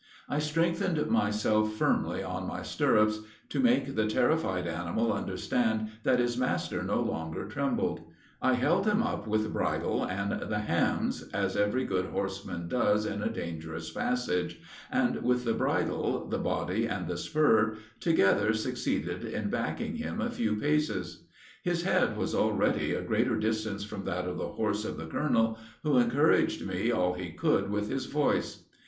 I strengthened myself firmly on my stirrups, to make the terrified animal understand that his master no longer trembled. I held him up with bridle and the hams, as every good horseman does in a dangerous passage, and, with the bridle, the body, and the spur, together, succeeded in backing him a few paces. His head was already a greater distance from that of the horse of the colonel, who encouraged me all he could with his voice.